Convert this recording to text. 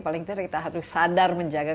paling penting kita harus sadar menjaga keamanan